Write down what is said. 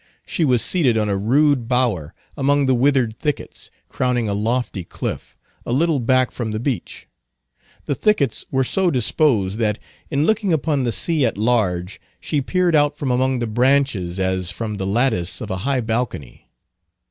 She was seated on a rude bower among the withered thickets, crowning a lofty cliff, a little back from the beach. The thickets were so disposed, that in looking upon the sea at large she peered out from among the branches as from the lattice of a high balcony.